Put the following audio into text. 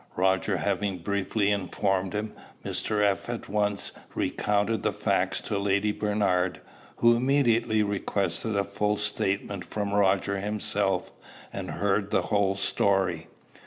Roger having briefly informed him, Mr. F. at once recounted the facts to Lady Bernard, who immediately requested a full statement from Roger himself, and heard the whole story.